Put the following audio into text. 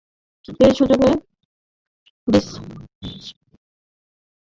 সেই সুযোগে deep square leg থেকে সরাসরি থ্রোতে স্টাম্প ভেঙে দিলেন ভিতানাগে।